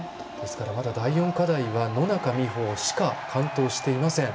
まだ第４課題は野中生萌しか完登していません。